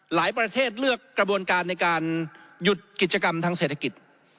หลายประเทศเลือกกระบวนการในการหยุดกิจกรรมทางเศรษฐกิจ